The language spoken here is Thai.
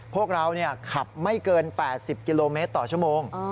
พวกเราขับไม่เกิน๘๐กิโลเมตรต่อชั่วโมง